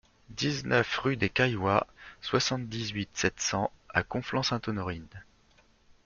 dix-neuf rue des Cailloys, soixante-dix-huit, sept cents à Conflans-Sainte-Honorine